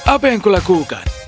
apa yang kulakukan